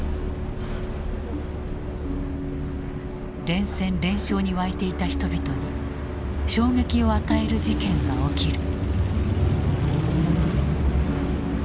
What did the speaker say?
連戦連勝に沸いていた人々に衝撃を与える事件が起きる。